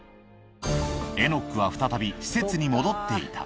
エノックは再び施設に戻っていた。